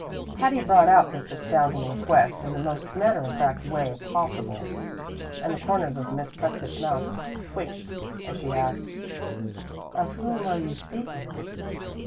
Patty brought out this astounding request in the most matter of fact way possible, and the corners of Miss Prescott's mouth twitched as she asked: "Of whom are you speaking?"